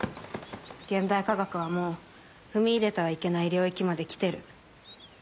現代科学はもう踏み入れてはいけない領域まで来てる。